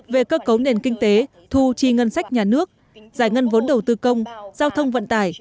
về cơ cấu nền kinh tế thu chi ngân sách nhà nước giải ngân vốn đầu tư công giao thông vận tải